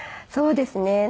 そうですね。